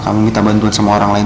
kamu minta bantuan sama orang lain